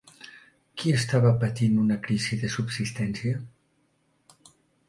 Qui estava patint una crisi de subsistència?